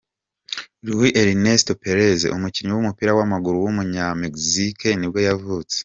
Luis Ernesto Pérez, umukinnyi w’umupira w’amaguru w’umunyamegizike nibwo yavutse.